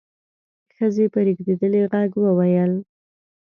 ښځې په رېږدېدلي غږ وويل: